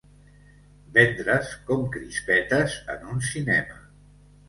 Vendre's com crispetes en un cinema.